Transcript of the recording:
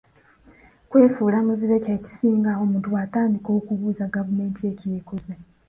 Kwefuula muzibe kyekisinga omuntu bwatandika okubuuza gavumenti ye ky'ekoze.